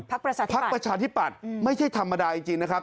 พักประชาธิปัตย์พักประชาธิปัตย์ไม่ใช่ธรรมดาจริงนะครับ